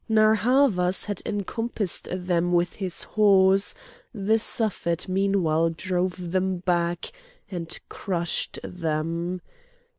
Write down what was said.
Narr' Havas had encompassed them with his horse; the Suffet meanwhile drove them back and crushed them.